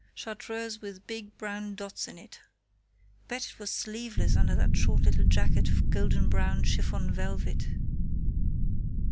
Chartreuse with big brown dots in it. Bet it was sleeveless under that short little jacket of golden brown chiffon velvet....